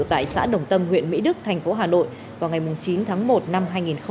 tại xã đồng tâm huyện mỹ đức thành phố hà nội vào ngày chín tháng một năm hai nghìn hai mươi